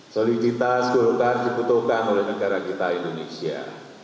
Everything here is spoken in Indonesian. soliditas golkar dibutuhkan oleh negara kita indonesia